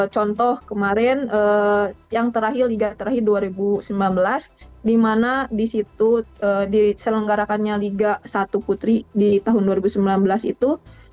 contoh kemarin yang terakhir liga terakhir dua ribu sembilan belas di mana di situ diselenggarakannya liga satu putri di tahun dua ribu sembilan belas itu